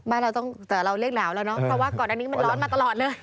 เราต้องแต่เราเรียกหนาวแล้วเนาะเพราะว่าก่อนอันนี้มันร้อนมาตลอดเลย